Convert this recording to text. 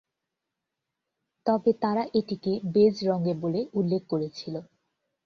তবে তারা এটিকে বেজ রঙে বলে উল্লেখ করেছিলো।